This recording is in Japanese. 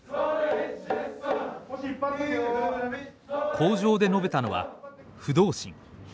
口上で述べたのは「不動心」。